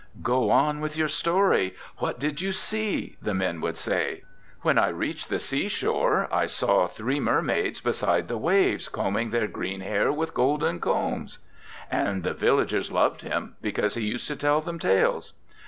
'"Go on with your story; what did you see?" the men would say. '"When I reached the sea shore, I saw three mermaids beside the waves, combing their green hair with golden combs." 'And the villagers loved him because he used to tell them tales.